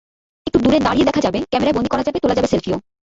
একটু দূরে দাঁড়িয়ে দেখা যাবে, ক্যামেরায় বন্দী করা যাবে, তোলা যাবে সেলফিও।